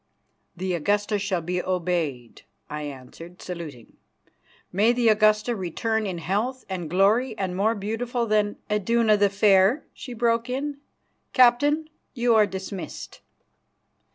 "The Augusta shall be obeyed," I answered, saluting. "May the Augusta return in health and glory and more beautiful than " "Iduna the Fair!" she broke in. "Captain, you are dismissed."